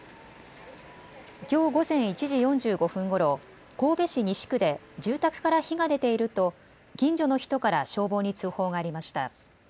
きょう午前１時４５分ごろ神戸市西区で住宅から火が出ていると近所の人から消防に通報がありました。